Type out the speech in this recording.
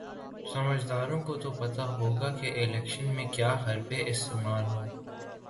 سمجھداروں کو تو پتا ہوگا کہ الیکشن میں کیا حربے استعمال ہوں۔